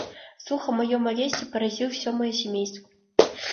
Слух о моем аресте поразил все мое семейство.